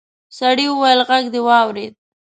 سړي وويل غږ دې واورېد.